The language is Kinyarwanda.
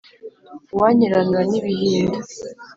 Uwankiranura n’ibihinda,